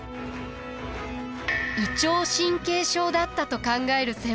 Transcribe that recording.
胃腸神経症だったと考える専門家も。